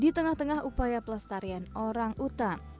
di tengah tengah upaya pelestarian orang utan